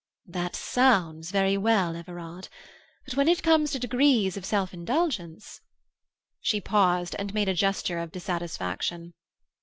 "That sounds very well, Everard. But when it comes to degrees of self indulgence—" She paused and made a gesture of dissatisfaction.